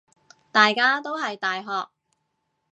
大家都係大學